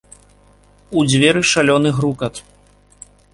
У дзверы шалёны грукат.